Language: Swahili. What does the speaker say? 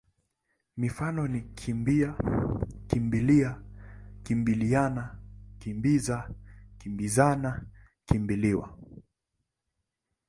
Mifano ni kimbi-a, kimbi-lia, kimbili-ana, kimbi-za, kimbi-zana, kimbi-liwa.